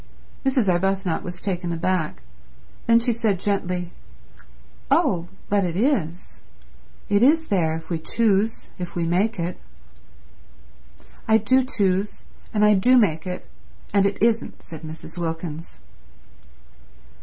Mrs. Arbuthnot was taken aback. Then she said gently, "Oh, but it is. It is there if we choose, if we make it." "I do choose, and I do make it, and it isn't," said Mrs. Wilkins.